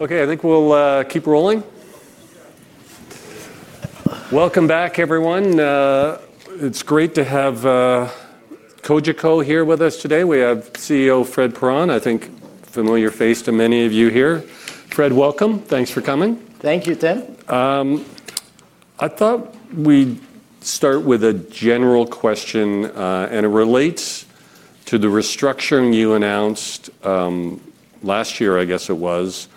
Okay, I think we'll keep rolling. Welcome back, everyone. It's great to have Cogeco here with us today. We have CEO Frédéric Perron, I think a familiar face to many of you here. Frédéric, welcome. Thanks for coming. Thank you, Tim. I thought we'd start with a general question, and it relates to the restructuring you announced last year, I guess it was,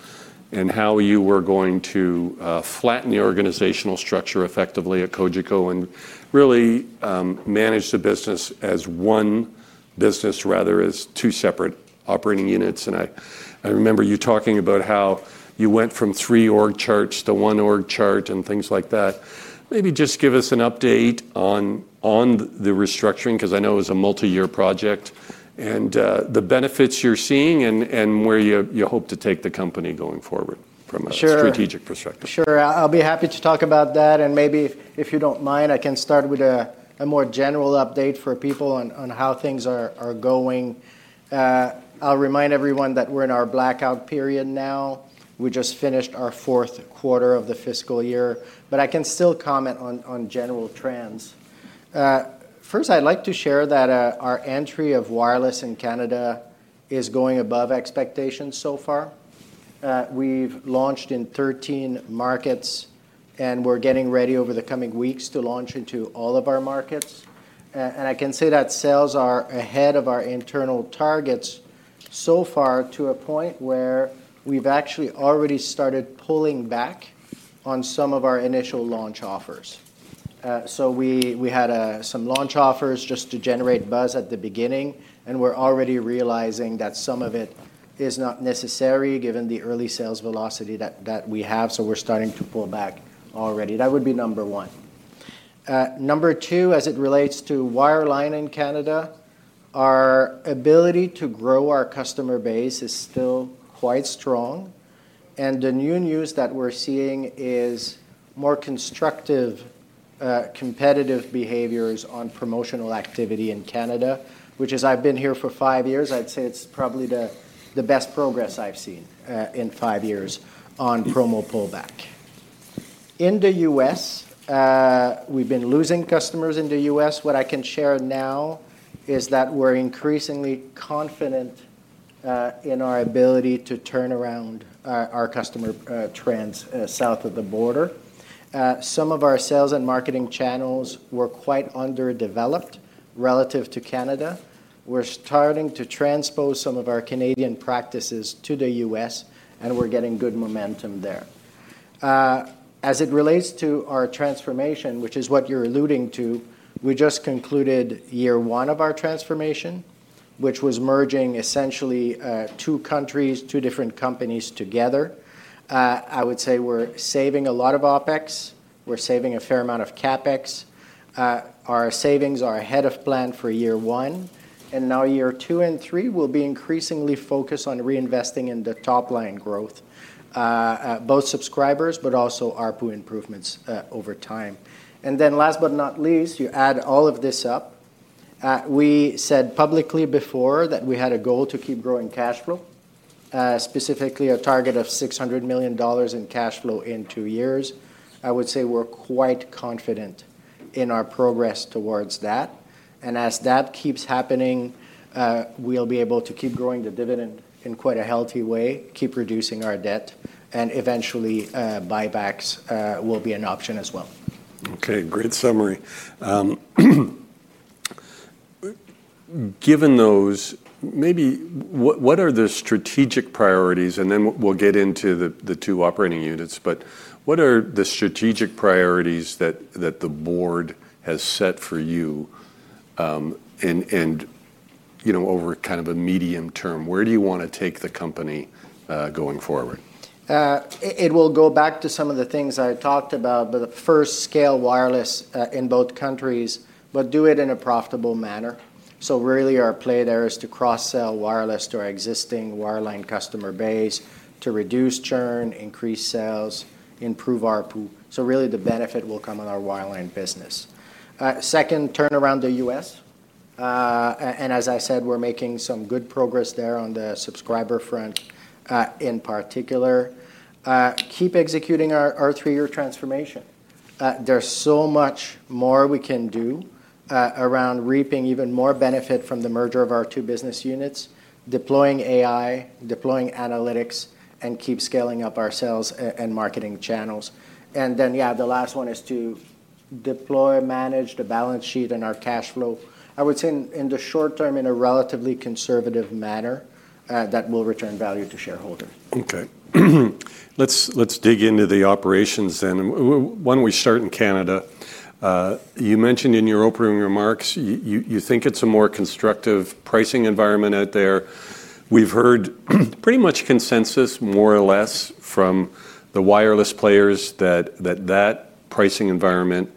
and how you were going to flatten the organizational structure effectively at Cogeco and really manage the business as one business, rather than as two separate operating units. I remember you talking about how you went from three org charts to one org chart and things like that. Maybe just give us an update on the restructuring, because I know it was a multi-year project, the benefits you're seeing, and where you hope to take the company going forward from a strategic perspective. Sure, I'll be happy to talk about that. Maybe if you don't mind, I can start with a more general update for people on how things are going. I'll remind everyone that we're in our blackout period now. We just finished our fourth quarter of the fiscal year, but I can still comment on general trends. First, I'd like to share that our entry of wireless in Canada is going above expectations so far. We've launched in 13 markets, and we're getting ready over the coming weeks to launch into all of our markets. I can say that sales are ahead of our internal targets so far to a point where we've actually already started pulling back on some of our initial launch offers. We had some launch offers just to generate buzz at the beginning, and we're already realizing that some of it is not necessary given the early sales velocity that we have. We're starting to pull back already. That would be number one. Number two, as it relates to wireline in Canada, our ability to grow our customer base is still quite strong. The new news that we're seeing is more constructive competitive behaviors on promotional activity in Canada, which is, I've been here for five years, I'd say it's probably the best progress I've seen in five years on promo pullback. In the U.S., we've been losing customers in the U.S. What I can share now is that we're increasingly confident in our ability to turn around our customer trends south of the border. Some of our sales and marketing channels were quite underdeveloped relative to Canada. We're starting to transpose some of our Canadian practices to the U.S., and we're getting good momentum there. As it relates to our transformation, which is what you're alluding to, we just concluded year one of our transformation, which was merging essentially two countries, two different companies together. I would say we're saving a lot of OpEx. We're saving a fair amount of CapEx. Our savings are ahead of plan for year one, and now year two and three will be increasingly focused on reinvesting in the top line growth, both subscribers, but also ARPU improvements over time. Last but not least, you add all of this up. We said publicly before that we had a goal to keep growing cash flow, specifically a target of $600 million in cash flow in two years. I would say we're quite confident in our progress towards that. As that keeps happening, we'll be able to keep growing the dividend in quite a healthy way, keep reducing our debt, and eventually buybacks will be an option as well. Okay, great summary. Given those, what are the strategic priorities, and then we'll get into the two operating units. What are the strategic priorities that the board has set for you? Over kind of a medium term, where do you want to take the company going forward? It will go back to some of the things I talked about, but first, scale wireless in both countries, but do it in a profitable manner. Our play there is to cross-sell wireless to our existing wireline customer base, to reduce churn, increase sales, improve ARPU. The benefit will come on our wireline business. Second, turn around the U.S. As I said, we're making some good progress there on the subscriber front in particular. Keep executing our three-year transformation. There's so much more we can do around reaping even more benefit from the merger of our two business units, deploying AI, deploying analytics, and keep scaling up our sales and marketing channels. The last one is to deploy, manage the balance sheet and our cash flow. I would say in the short term, in a relatively conservative manner, that will return value to shareholder. Okay, let's dig into the operations then. Why don't we start in Canada? You mentioned in your opening remarks, you think it's a more constructive pricing environment out there. We've heard pretty much consensus, more or less, from the wireless players that that pricing environment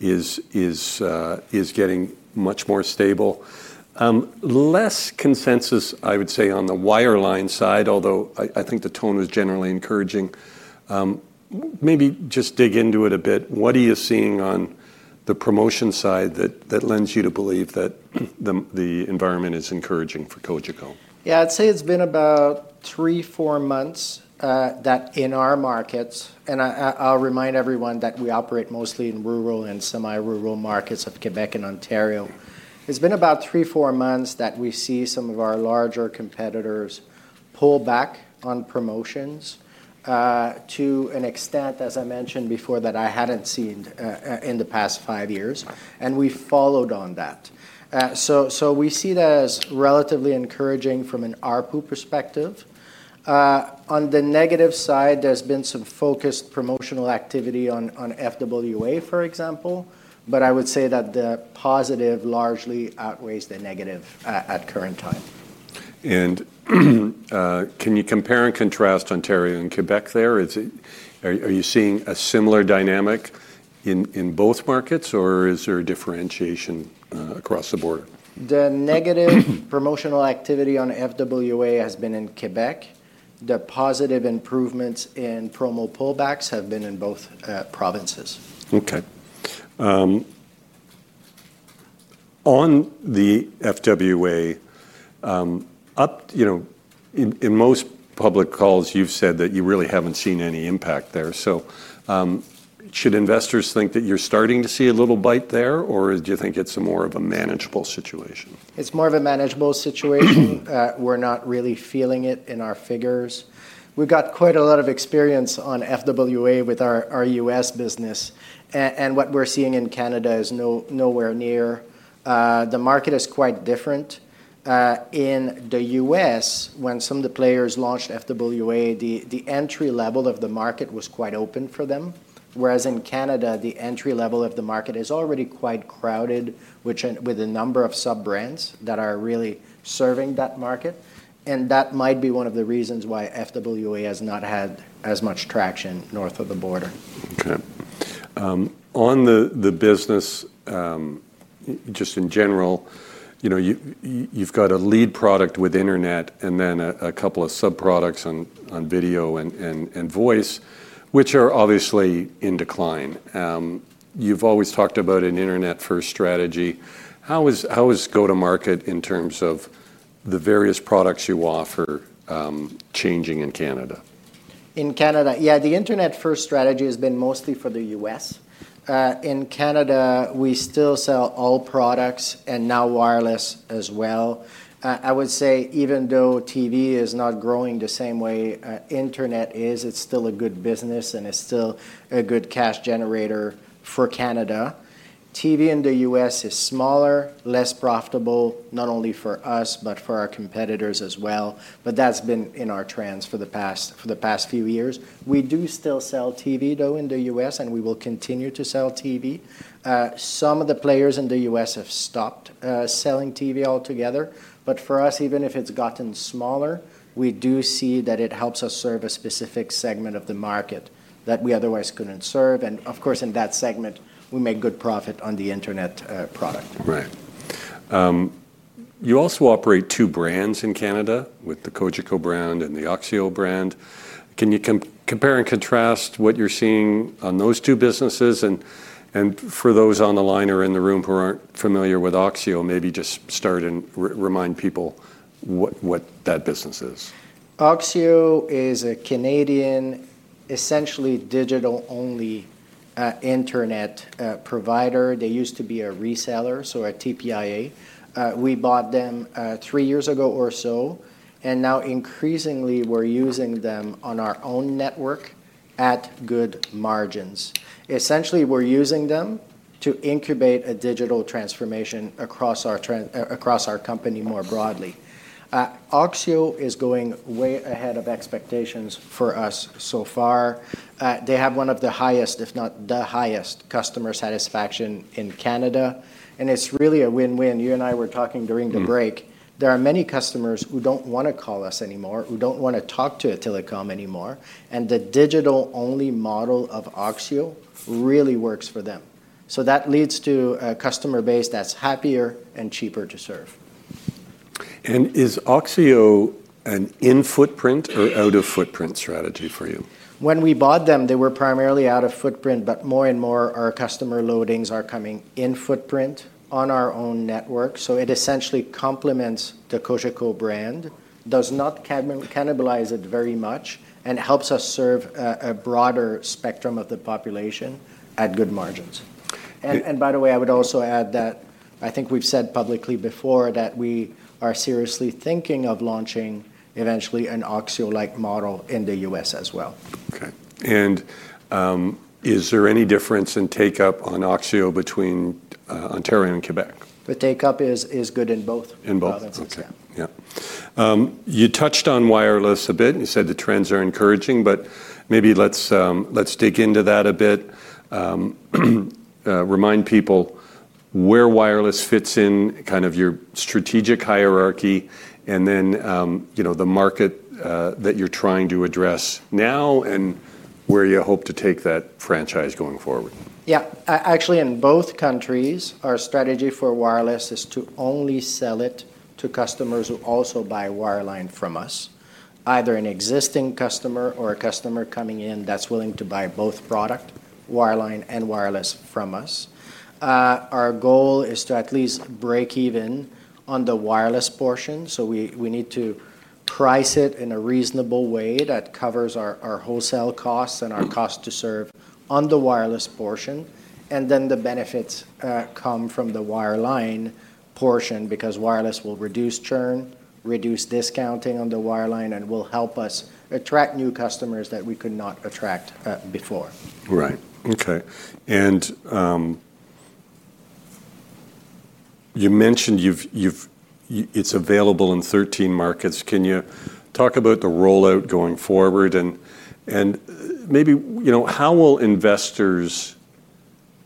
is getting much more stable. Less consensus, I would say, on the wireline side, although I think the tone was generally encouraging. Maybe just dig into it a bit. What are you seeing on the promotion side that lends you to believe that the environment is encouraging for Cogeco? Yeah, I'd say it's been about three, four months that in our markets, and I'll remind everyone that we operate mostly in rural and semi-rural markets of Quebec and Ontario. It's been about three, four months that we've seen some of our larger competitors pull back on promotions to an extent, as I mentioned before, that I hadn't seen in the past five years, and we've followed on that. We see that as relatively encouraging from an ARPU perspective. On the negative side, there's been some focused promotional activity on fixed wireless access, for example, but I would say that the positive largely outweighs the negative at the current time. Can you compare and contrast Ontario and Quebec there? Are you seeing a similar dynamic in both markets, or is there a differentiation across the border? The negative promotional activity on fixed wireless access has been in Quebec. The positive improvements in promo pullbacks have been in both provinces. Okay. On the FWA, in most public calls, you've said that you really haven't seen any impact there. Should investors think that you're starting to see a little bite there, or do you think it's more of a manageable situation? It's more of a manageable situation. We're not really feeling it in our figures. We've got quite a lot of experience on FWA with our U.S. business, and what we're seeing in Canada is nowhere near. The market is quite different. In the U.S., when some of the players launched FWA, the entry level of the market was quite open for them. In Canada, the entry level of the market is already quite crowded, with a number of sub-brands that are really serving that market. That might be one of the reasons why FWA has not had as much traction north of the border. Okay. On the business, just in general, you know, you've got a lead product with Internet and then a couple of sub-products on video and voice, which are obviously in decline. You've always talked about an internet-first strategy. How is go-to-market in terms of the various products you offer changing in Canada? In Canada, yeah, the internet-first strategy has been mostly for the U.S. In Canada, we still sell all products and now wireless as well. I would say even though TV is not growing the same way internet is, it's still a good business and it's still a good cash generator for Canada. TV in the U.S. is smaller, less profitable, not only for us, but for our competitors as well. That's been in our trends for the past few years. We do still sell TV, though, in the U.S., and we will continue to sell TV. Some of the players in the U.S. have stopped selling TV altogether. For us, even if it's gotten smaller, we do see that it helps us serve a specific segment of the market that we otherwise couldn't serve. Of course, in that segment, we make good profit on the internet product. Right. You also operate two brands in Canada with the Cogeco brand and the oxio brand. Can you compare and contrast what you're seeing on those two businesses? For those on the line or in the room who aren't familiar with oxio, maybe just start and remind people what that business is. oxio is a Canadian, essentially digital-only internet provider. They used to be a reseller, so a TPIA. We bought them three years ago or so, and now increasingly, we're using them on our own network at good margins. Essentially, we're using them to incubate a digital transformation across our company more broadly. oxio is going way ahead of expectations for us so far. They have one of the highest, if not the highest, customer satisfaction in Canada, and it's really a win-win. You and I were talking during the break. There are many customers who don't want to call us anymore, who don't want to talk to a telecom anymore, and the digital-only model of oxio really works for them. That leads to a customer base that's happier and cheaper to serve. Is oxio an in-footprint or out-of-footprint strategy for you? When we bought them, they were primarily out of footprint, but more and more our customer loadings are coming in footprint on our own network. It essentially complements the Cogeco brand, does not cannibalize it very much, and helps us serve a broader spectrum of the population at good margins. By the way, I would also add that I think we've said publicly before that we are seriously thinking of launching eventually an oxio-like model in the U.S. as well. Okay. Is there any difference in take-up on oxio between Ontario and Quebec? The take-up is good in both. In both. Okay. You touched on wireless a bit. You said the trends are encouraging, but maybe let's dig into that a bit. Remind people where wireless fits in kind of your strategic hierarchy, and then, you know, the market that you're trying to address now and where you hope to take that franchise going forward. Yeah, actually, in both countries, our strategy for wireless is to only sell it to customers who also buy wireline from us, either an existing customer or a customer coming in that's willing to buy both product, wireline and wireless from us. Our goal is to at least break even on the wireless portion. We need to price it in a reasonable way that covers our wholesale costs and our cost to serve on the wireless portion. The benefits come from the wireline portion because wireless will reduce churn, reduce discounting on the wireline, and will help us attract new customers that we could not attract before. Right. Okay. You mentioned it's available in 13 markets. Can you talk about the rollout going forward? Maybe, you know, how will investors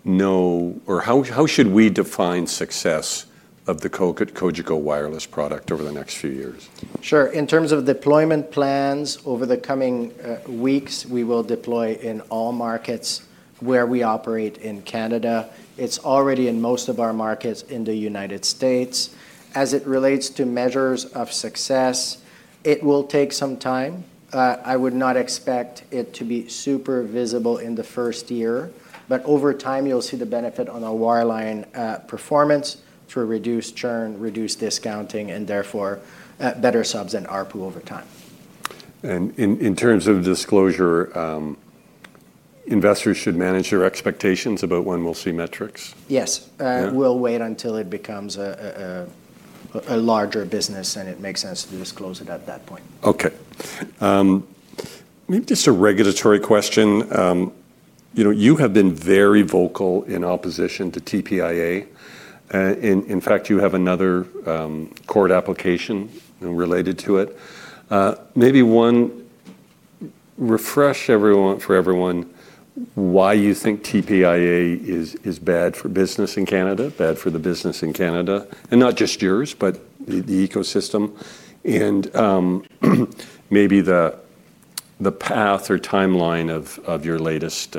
know or how should we define success of the Cogeco wireless product over the next few years? Sure. In terms of deployment plans over the coming weeks, we will deploy in all markets where we operate in Canada. It's already in most of our markets in the U.S. As it relates to measures of success, it will take some time. I would not expect it to be super visible in the first year, but over time, you'll see the benefit on our wireline performance for reduced churn, reduced discounting, and therefore better subs and ARPU over time. In terms of disclosure, investors should manage their expectations about when we'll see metrics. Yes, we will wait until it becomes a larger business and it makes sense to disclose it at that point. Okay. Maybe just a regulatory question. You have been very vocal in opposition to the TPIA. In fact, you have another court application related to it. Maybe refresh for everyone why you think TPIA is bad for business in Canada, bad for the business in Canada, and not just yours, but the ecosystem, and maybe the path or timeline of your latest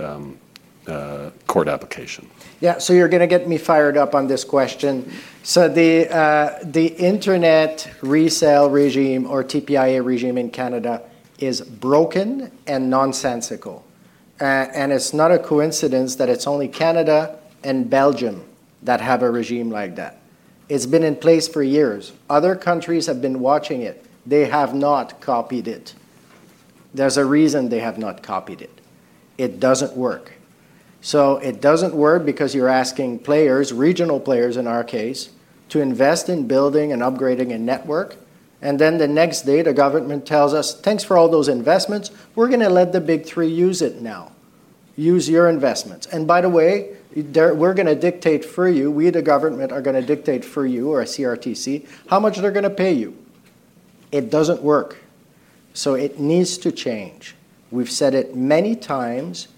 court application. Yeah, you're going to get me fired up on this question. The internet resale regime or TPIA regime in Canada is broken and nonsensical. It's not a coincidence that it's only Canada and Belgium that have a regime like that. It's been in place for years. Other countries have been watching it. They have not copied it. There's a reason they have not copied it. It doesn't work. It doesn't work because you're asking players, regional players in our case, to invest in building and upgrading a network. The next day, the government tells us, "Thanks for all those investments. We're going to let the big three use it now. Use your investments." By the way, we're going to dictate for you, we, the government, are going to dictate for you, or a CRTC, how much they're going to pay you. It doesn't work. It needs to change. We've said it many times.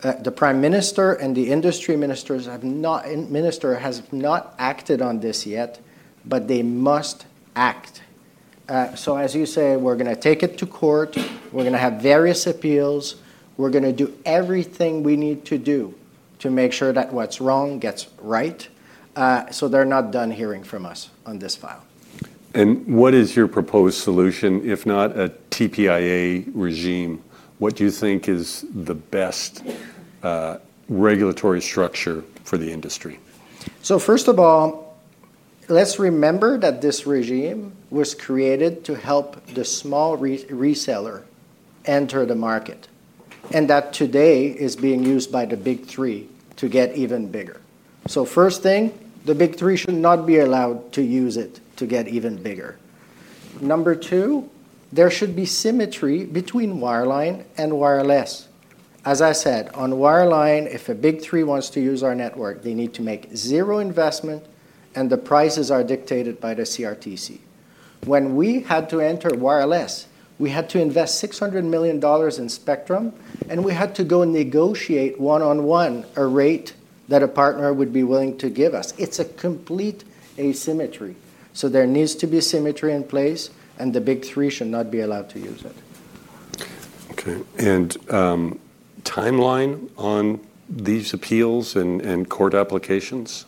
The Prime Minister and the Industry Ministers have not acted on this yet, but they must act. As you say, we're going to take it to court. We're going to have various appeals. We're going to do everything we need to do to make sure that what's wrong gets right. They're not done hearing from us on this file. What is your proposed solution, if not a TPIA regime? What do you think is the best regulatory structure for the industry? First of all, let's remember that this regime was created to help the small reseller enter the market and that today is being used by the big three to get even bigger. The big three should not be allowed to use it to get even bigger. There should be symmetry between wireline and wireless. As I said, on wireline, if a big three wants to use our network, they need to make zero investment, and the prices are dictated by the CRTC. When we had to enter wireless, we had to invest $600 million in spectrum, and we had to go negotiate one-on-one a rate that a partner would be willing to give us. It's a complete asymmetry. There needs to be symmetry in place, and the big three should not be allowed to use it. What is the timeline on these appeals and court applications?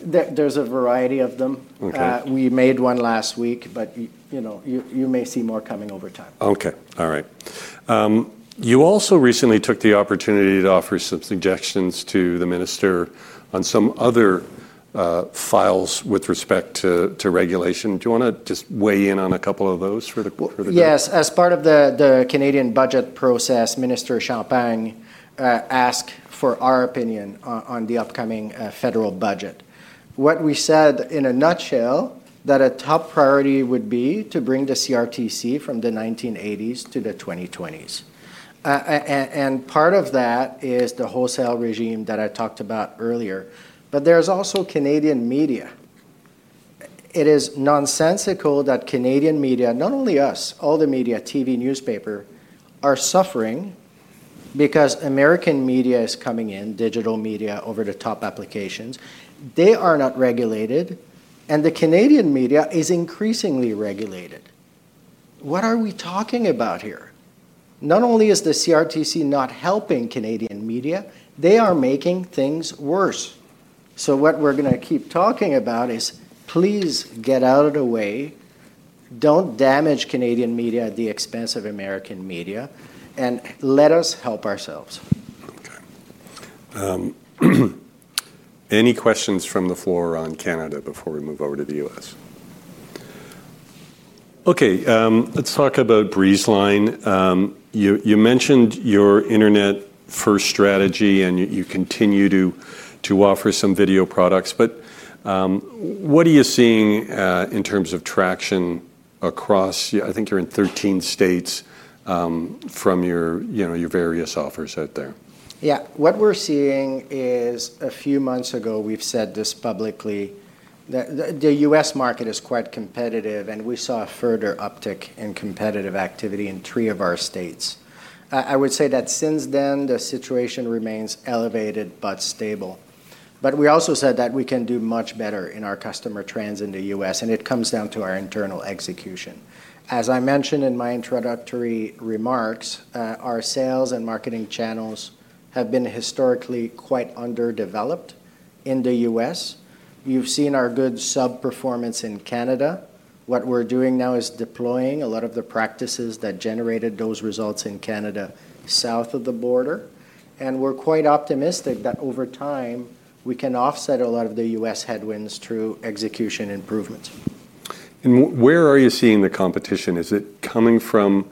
There's a variety of them. We made one last week, but you may see more coming over time. All right. You also recently took the opportunity to offer some suggestions to the Minister on some other files with respect to regulation. Do you want to just weigh in on a couple of those? Yes, as part of the Canadian budget process, Minister Champagne asked for our opinion on the upcoming federal budget. What we said in a nutshell is that a top priority would be to bring the CRTC from the 1980s to the 2020s. Part of that is the wholesale regime that I talked about earlier. There is also Canadian media. It is nonsensical that Canadian media, not only us, all the media, TV, newspaper, are suffering because American media is coming in, digital media, over-the-top applications. They are not regulated, and the Canadian media is increasingly regulated. What are we talking about here? Not only is the CRTC not helping Canadian media, they are making things worse. What we're going to keep talking about is, please get out of the way, don't damage Canadian media at the expense of American media, and let us help ourselves. Okay. Any questions from the floor on Canada before we move over to the U.S.? Okay, let's talk about Breezeline. You mentioned your internet-first strategy, and you continue to offer some video products, but what are you seeing in terms of traction across, I think you're in 13 states, from your various offers out there? Yeah, what we're seeing is a few months ago, we've said this publicly, that the U.S. market is quite competitive, and we saw a further uptick in competitive activity in three of our states. I would say that since then, the situation remains elevated but stable. We also said that we can do much better in our customer trends in the U.S., and it comes down to our internal execution. As I mentioned in my introductory remarks, our sales and marketing channels have been historically quite underdeveloped in the U.S. You've seen our good sub-performance in Canada. What we're doing now is deploying a lot of the practices that generated those results in Canada south of the border. We're quite optimistic that over time, we can offset a lot of the U.S. headwinds through execution improvements. Where are you seeing the competition? Is it coming from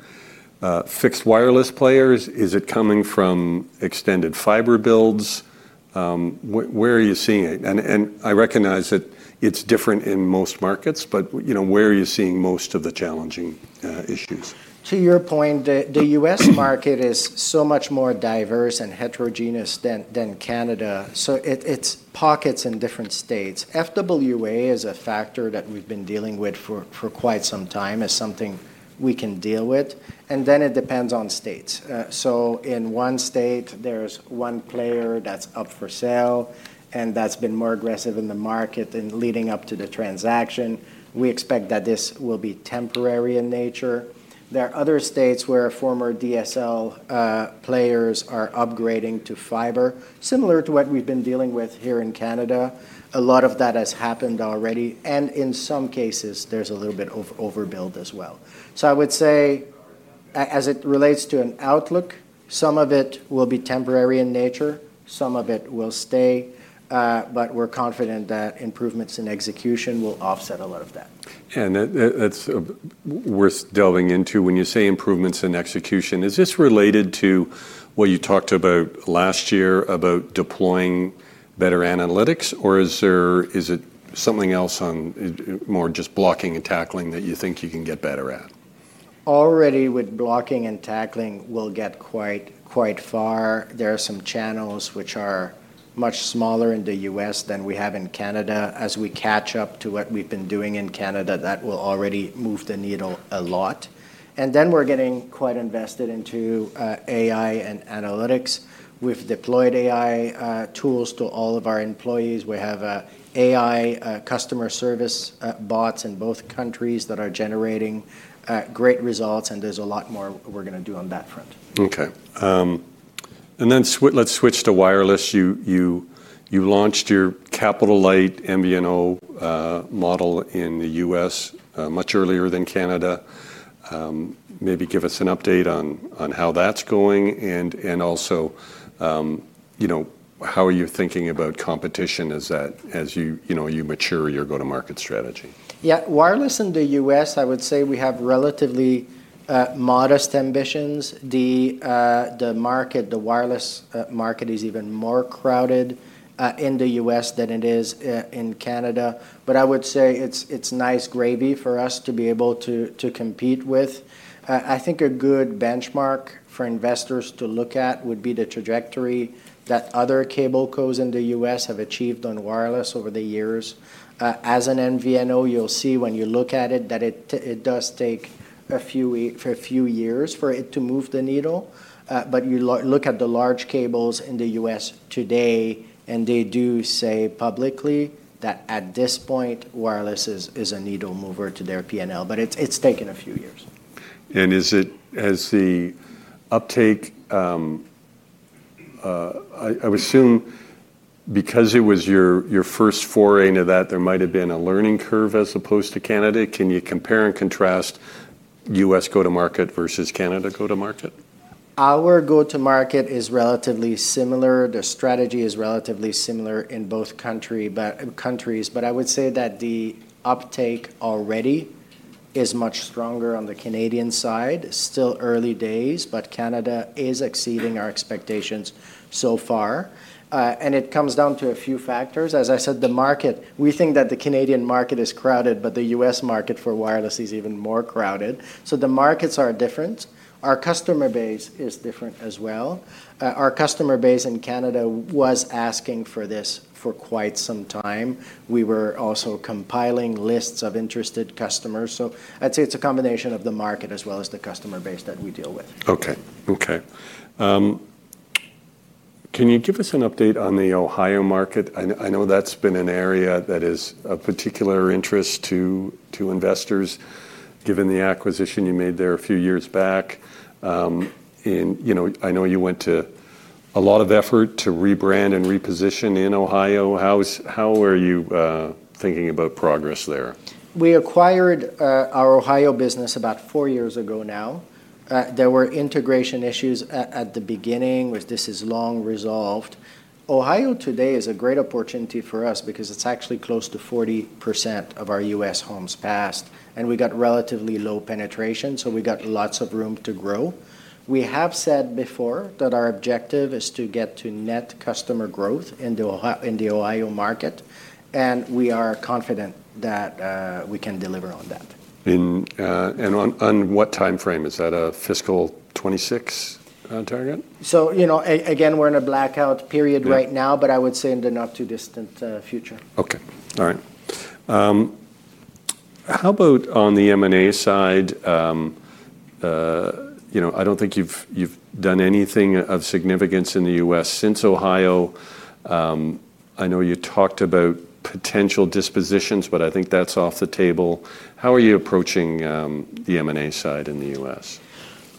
fixed wireless players? Is it coming from extended fiber builds? Where are you seeing it? I recognize that it's different in most markets, but where are you seeing most of the challenging issues? To your point, the U.S. market is so much more diverse and heterogeneous than Canada. It's pockets in different states. Fixed wireless access (FWA) is a factor that we've been dealing with for quite some time as something we can deal with. It depends on states. In one state, there's one player that's up for sale, and that's been more aggressive in the market and leading up to the transaction. We expect that this will be temporary in nature. There are other states where former DSL players are upgrading to fiber, similar to what we've been dealing with here in Canada. A lot of that has happened already, and in some cases, there's a little bit of overbuild as well. I would say, as it relates to an outlook, some of it will be temporary in nature, some of it will stay, but we're confident that improvements in execution will offset a lot of that. That's worth delving into. When you say improvements in execution, is this related to what you talked about last year about deploying better analytics, or is it something else, more just blocking and tackling that you think you can get better at? Already with blocking and tackling, we'll get quite far. There are some channels which are much smaller in the U.S. than we have in Canada. As we catch up to what we've been doing in Canada, that will already move the needle a lot. We're getting quite invested into AI and analytics. We've deployed AI tools to all of our employees. We have AI customer service bots in both countries that are generating great results, and there's a lot more we're going to do on that front. Okay. Let's switch to wireless. You launched your capital light MVNO model in the U.S. much earlier than Canada. Maybe give us an update on how that's going and also, you know, how are you thinking about competition as you mature your go-to-market strategy? Yeah, wireless in the U.S., I would say we have relatively modest ambitions. The wireless market is even more crowded in the U.S. than it is in Canada. I would say it's nice gravy for us to be able to compete with. I think a good benchmark for investors to look at would be the trajectory that other cable companies in the U.S. have achieved on wireless over the years. As an MVNO, you'll see when you look at it that it does take a few years for it to move the needle. You look at the large cables in the U.S. today, and they do say publicly that at this point, wireless is a needle mover to their P&L, but it's taken a few years. Has the uptake, I would assume because it was your first foray into that, there might have been a learning curve as opposed to Canada. Can you compare and contrast U.S. go-to-market versus Canada go-to-market? Our go-to-market is relatively similar. The strategy is relatively similar in both countries, but I would say that the uptake already is much stronger on the Canadian side. It is still early days, but Canada is exceeding our expectations so far. It comes down to a few factors. As I said, the market, we think that the Canadian market is crowded, but the U.S. market for wireless is even more crowded. The markets are different. Our customer base is different as well. Our customer base in Canada was asking for this for quite some time. We were also compiling lists of interested customers. I would say it's a combination of the market as well as the customer base that we deal with. Okay. Can you give us an update on the Ohio market? I know that's been an area that is of particular interest to investors, given the acquisition you made there a few years back. I know you went to a lot of effort to rebrand and reposition in Ohio. How are you thinking about progress there? We acquired our Ohio business about four years ago now. There were integration issues at the beginning, which this has long resolved. Ohio today is a great opportunity for us because it's actually close to 40% of our U.S. homes passed, and we got relatively low penetration, so we got lots of room to grow. We have said before that our objective is to get to net customer growth in the Ohio market, and we are confident that we can deliver on that. On what timeframe? Is that a fiscal 2026 target? We're in a blackout period right now, but I would say in the not-too-distant future. Okay. All right. How about on the M&A side? I don't think you've done anything of significance in the U.S. since Ohio. I know you talked about potential dispositions, but I think that's off the table. How are you approaching the M&A side in the U.S.?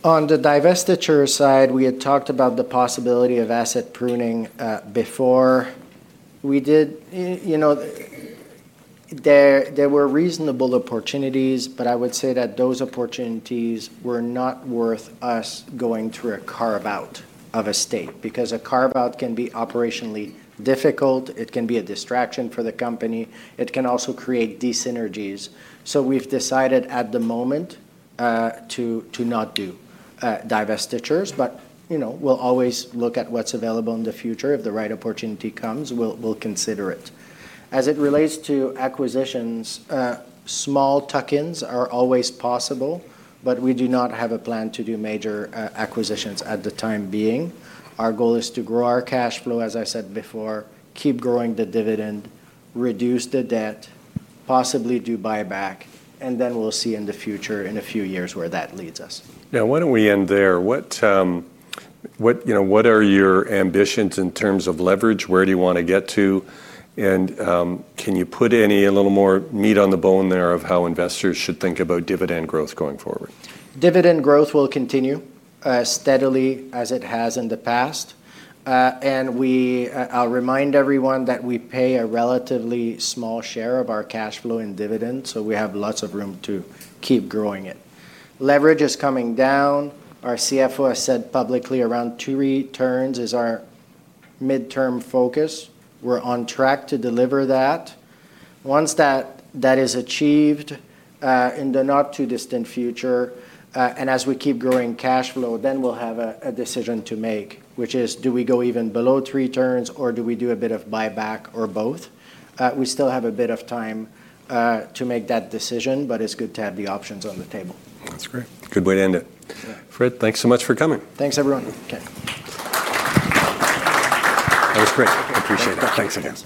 On the divestiture side, we had talked about the possibility of asset pruning before we did. There were reasonable opportunities, but I would say that those opportunities were not worth us going through a carve-out of a state because a carve-out can be operationally difficult. It can be a distraction for the company. It can also create disynergies. We have decided at the moment to not do divestitures, but we'll always look at what's available in the future. If the right opportunity comes, we'll consider it. As it relates to acquisitions, small tuck-ins are always possible, but we do not have a plan to do major acquisitions at the time being. Our goal is to grow our cash flow, as I said before, keep growing the dividend, reduce the debt, possibly do buyback, and then we'll see in the future in a few years where that leads us. Now, why don't we end there? What are your ambitions in terms of leverage? Where do you want to get to? Can you put any a little more meat on the bone there of how investors should think about dividend growth going forward? Dividend growth will continue as steadily as it has in the past. We remind everyone that we pay a relatively small share of our cash flow in dividends, so we have lots of room to keep growing it. Leverage is coming down. Our CFO has said publicly around 2 turns is our midterm focus. We're on track to deliver that. Once that is achieved in the not-too-distant future, and as we keep growing cash flow, we'll have a decision to make, which is do we go even below 2 turns, or do we do a bit of buyback or both? We still have a bit of time to make that decision, but it's good to have the options on the table. That's great. Good way to end it. Frédéric, thanks so much for coming. Thanks, everyone. Okay, that was great. I appreciate it. Thanks, guys.